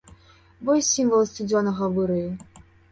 Вось сімвал сцюдзёнага выраю.